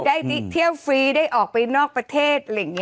ได้เที่ยวฟรีได้ออกไปนอกประเทศ